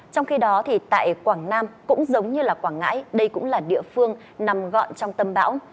trong khi đó thì tại quảng nam cũng giống như quảng ngãi đây cũng là địa phương nằm gọn trong tâm bão